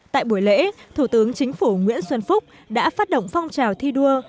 tại buổi lễ thủ tướng chính phủ nguyễn xuân phúc đã phát động phong trào thi đua